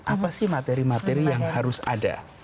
apa sih materi materi yang harus ada